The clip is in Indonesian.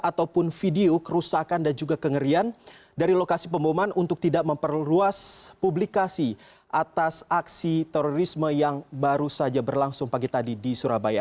ataupun video kerusakan dan juga kengerian dari lokasi pemboman untuk tidak memperluas publikasi atas aksi terorisme yang baru saja berlangsung pagi tadi di surabaya